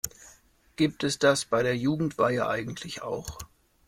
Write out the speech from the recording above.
Gibt es das bei der Jugendweihe eigentlich auch?